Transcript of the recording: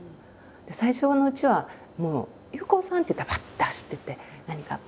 最初のうちはもう「憂子さん」って言ったらバッと走ってって「何かあった？